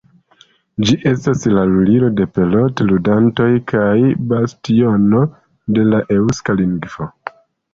Ĝi estas la Lulilo de pelot-ludantoj kaj bastiono de la eŭska lingvo.